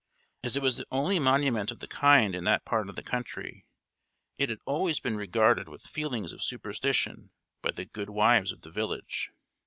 As it was the only monument of the kind in that part of the country, it had always been regarded with feelings of superstition by the good wives of the village.